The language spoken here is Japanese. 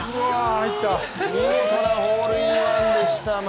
見事なホールインワンでした。